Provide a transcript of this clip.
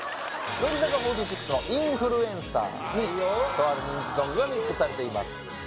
乃木坂４６の「インフルエンサー」にとある人気ソングがミックスされています